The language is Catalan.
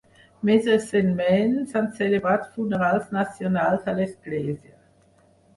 Més recentment, s'han celebrat funerals nacionals a l'església.